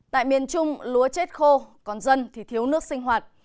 tại miền trung lúa chết khô còn dân thì thiếu nước sinh hoạt